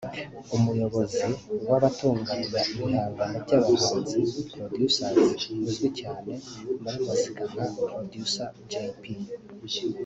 umuyobozi w’abatunganya ibihangano by’abahanzi ‘Producers’ uzwi cyane muri muzika nka Producer Jay P